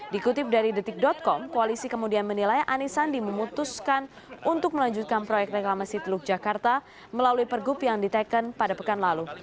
dikutip dari detik com koalisi kemudian menilai anies sandi memutuskan untuk melanjutkan proyek reklamasi teluk jakarta melalui pergub yang diteken pada pekan lalu